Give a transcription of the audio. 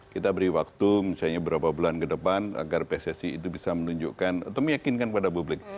kita beri waktu misalnya berapa bulan ke depan agar pssi itu bisa menunjukkan atau meyakinkan kepada publik